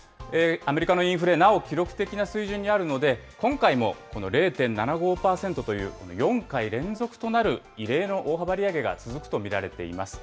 アメリカのインフレ、なお記録的な水準にあるので、今回もこの０．７５％という、この４回連続となる異例の大幅利上げが続くと見られています。